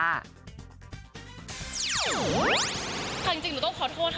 จริงหนูต้องขอโทษค่ะ